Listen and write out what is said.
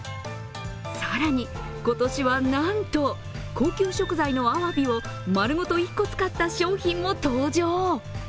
更に、今年はなんと高級食材のあわびを丸ごと１個使った商品も登場。